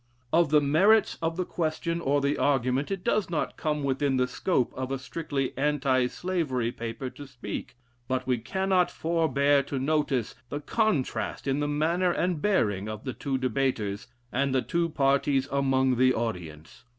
Of the merits of the question or the argument, it does not come within the scope of a strictly anti slavery paper to speak, but we cannot forbear to notice the contrast in the manner and bearing of the two debaters, and the two parties among the audience.